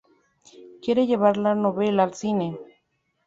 Quiere llevar la novela al cine.